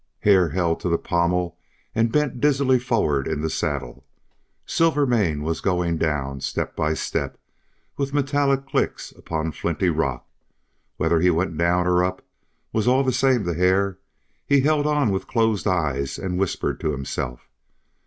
Hare held to the pommel and bent dizzily forward in the saddle. Silvermane was going down, step by step, with metallic clicks upon flinty rock. Whether he went down or up was all the same to Hare; he held on with closed eyes and whispered to himself.